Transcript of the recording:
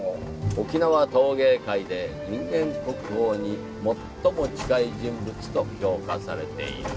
沖縄陶芸界で人間国宝に最も近い人物と評価されている。